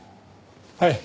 はい。